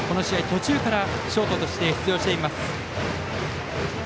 途中からショートとして出場しています。